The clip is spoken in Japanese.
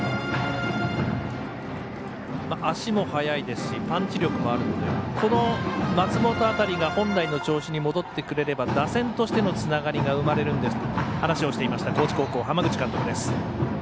足も速いですしパンチ力もあるのでこの松本辺りが本来の調子に戻ってくれれば打線としてのつながりが生まれるんですと話をしていました高知高校、浜口監督です。